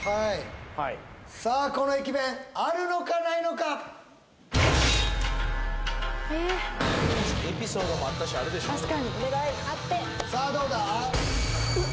はいさあこの駅弁あるのかないのかエピソードもあったしあるでしょさあどうだ？